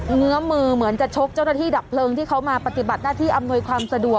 เงื้อมือเหมือนจะชกเจ้าหน้าที่ดับเพลิงที่เขามาปฏิบัติหน้าที่อำนวยความสะดวก